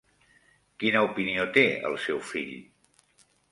Quina opinió té el seu fill?